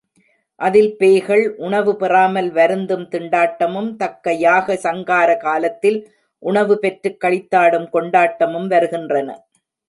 அதில் பேய்கள் உணவு பெறாமல் வருந்தும் திண்டாட்டமும் தக்கயாக சங்கார காலத்தில் உணவு பெற்றுக் களித்தாடும் கொண்டாட்டமும் வருகின்றன.